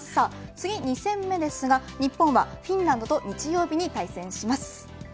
次、２戦目ですが日本はフィンランドと日曜日に対戦します。